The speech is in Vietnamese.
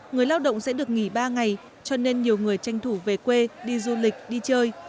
người lao động sẽ được nghỉ ba ngày cho nên nhiều người tranh thủ về quê đi du lịch đi chơi